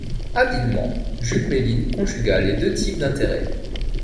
Habilement, Jules Méline conjugua les deux types d'intérêts.